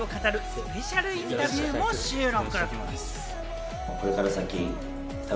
スペシャルインタビューも収録。